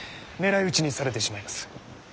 狙い撃ちにされてしまいます。